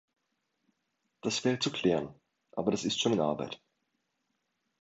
Das wäre zu klären, aber das ist schon in Arbeit.